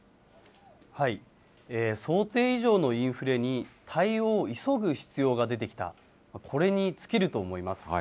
想定以上のインフレに、対応を急ぐ必要が出てきた、これに尽きると思います。